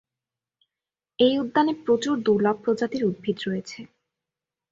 এই উদ্যানে প্রচুর দূর্লভ প্রজাতির উদ্ভিদ রয়েছে।